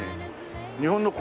日本の米？